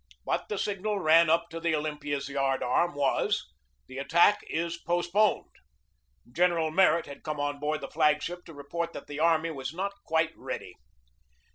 But the signal run up to the Olympiads yard arm was, "The attack is postponed." General Merritt had come on board the flag ship to report that the army was not quite ready.